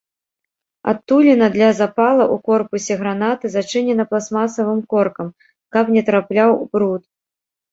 Адтуліна для запала ў корпусе гранаты зачынена пластмасавым коркам, каб не трапляў бруд.